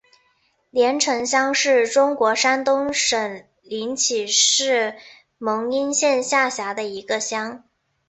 联城乡是中国山东省临沂市蒙阴县下辖的一个乡。